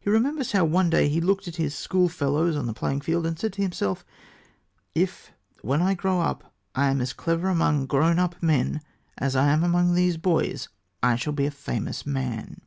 He remembers how one day he looked at his schoolfellows on the playing field and said to himself, "If when I grow up I am as clever among grown up men as I am among these boys, I shall be a famous man."